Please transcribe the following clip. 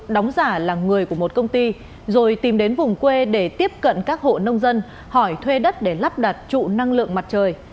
đóng giả là người của một công ty rồi tìm đến vùng quê để tiếp cận các hộ nông dân hỏi thuê đất để lắp đặt trụ năng lượng mặt trời